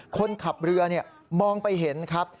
คนขับเรือมองไปเห็นครับ